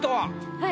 はい。